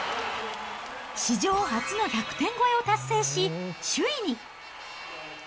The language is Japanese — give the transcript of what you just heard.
史上初の１００点超えを達成し、首位に。